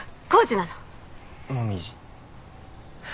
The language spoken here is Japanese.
紅葉。